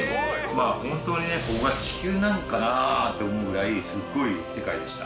本当にここが地球なんかなって思うぐらいすごい世界でした。